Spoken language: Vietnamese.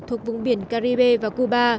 thuộc vùng biển caribe và cuba